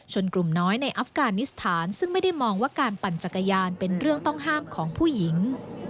กลุ่มน้อยในอัฟกานิสถานซึ่งไม่ได้มองว่าการปั่นจักรยานเป็นเรื่องต้องห้ามของผู้หญิง